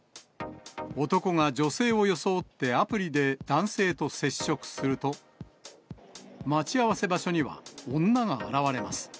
男が女性を装ってアプリで男性と接触すると、待ち合わせ場所には女が現れます。